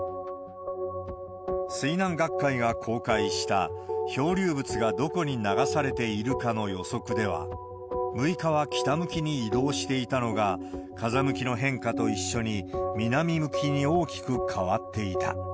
水難学会が公開した、漂流物がどこに流されているかの予測では、６日は北向きに移動していたのが、風向きの変化と一緒に、南向きに大きく変わっていた。